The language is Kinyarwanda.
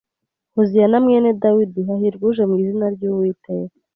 «Hoziyana mwene Dawidi! Hahirwa uje mu izina ry'Uwiteka!